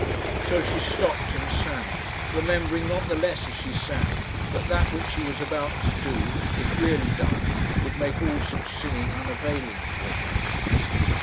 So she stopped and sang, remembering not the less as she sang, that that which she was about to do, if really done, would make all such singing unavailing for her.